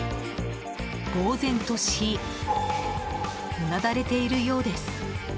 ぼうぜんとしうなだれているようです。